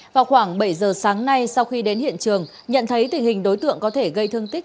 vào khoảng bảy giờ sáng nay sau khi đến hiện trường nhận thấy tình hình đối tượng có thể gây thương tích